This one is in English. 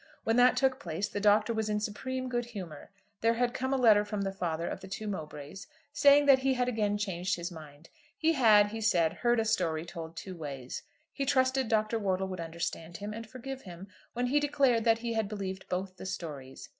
When that took place, the Doctor was in supreme good humour. There had come a letter from the father of the two Mowbrays, saying that he had again changed his mind. He had, he said, heard a story told two ways. He trusted Dr. Wortle would understand him and forgive him, when he declared that he had believed both the stories.